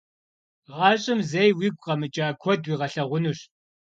Гъащӏэм зэи уигу къэмыкӏа куэд уигъэлъагъунущ.